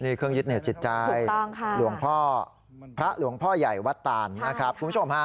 นี่เครื่องยึดเหนียวจิตใจหลวงพ่อพระหลวงพ่อใหญ่วัดตานนะครับคุณผู้ชมฮะ